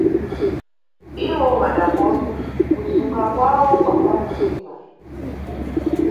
Iwo wadakondwa, kuzunga kwawo kwafamba bwino.